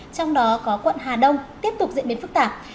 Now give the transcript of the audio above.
trong đó có quận hà đông tiếp tục diễn biến phức tạp